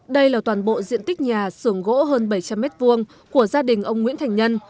đây là toàn bộ diện tích nhà xưởng gỗ hơn bảy trăm linh m hai của gia đình ông nguyễn thành nhân